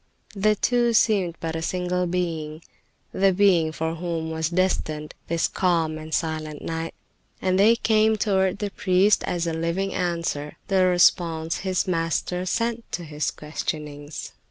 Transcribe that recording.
The two seemed but a single being, the being for whom was destined this calm and silent night, and they came toward the priest as a living answer, the response his Master sent to his questionings.